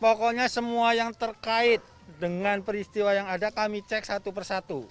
pokoknya semua yang terkait dengan peristiwa yang ada kami cek satu persatu